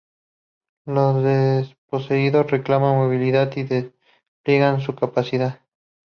Los desposeídos reclaman movilidad y despliegan su capacidad.